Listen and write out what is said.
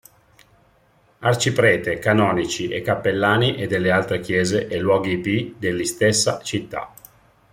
Arciprete, canonici, e Cappellani, e delle altre Chiese, e luoghi pii dell'istessa Città.